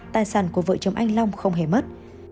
tài sản của vợ chồng anh long không hề mất